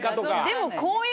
でも。